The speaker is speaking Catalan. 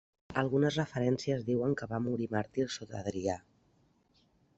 Algunes referències diuen que va morir màrtir sota Adrià.